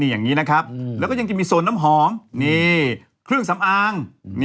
อย่างนี้นะครับแล้วก็ยังจะมีโซนน้ำหอมนี่เครื่องสำอาง